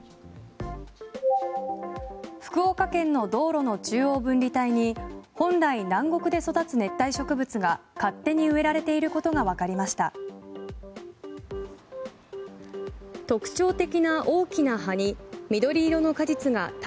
福岡県の道路の中央分離帯に本来、南国で育つ熱帯植物が勝手に植えられていることがわかりました。